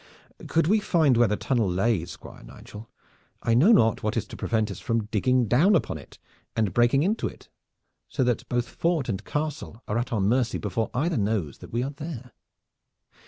"Could we find where the tunnel lay, Squire Nigel, I know not what is to prevent us from digging down upon it and breaking into it so that both fort and castle are at our mercy before either knows that we are there."